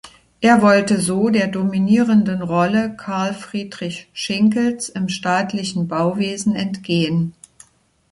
Er wollte so der dominierenden Rolle Karl Friedrich Schinkels im staatlichen Bauwesen entgehen.